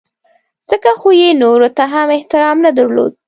ځکه خو یې نورو ته هم احترام نه درلود.